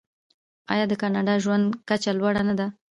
آیا د کاناډا ژوند کچه لوړه نه ده؟